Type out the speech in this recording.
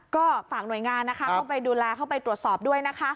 ก็ฝากหน่วยงานนะคะเข้าไปดูแลเข้าไปตรวจสอบด้วยนะคะ